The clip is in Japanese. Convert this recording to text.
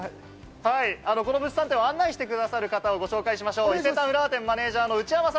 この物産展を案内してくださる方をご紹介しましょう。